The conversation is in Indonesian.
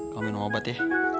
kamu minum obat ya